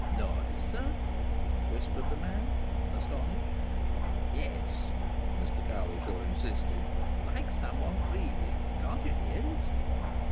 "Noise, sir?" whispered the man, astonished. "Yes," Mr Cowlishaw insisted. "Like something breathing. Can't you hear it?"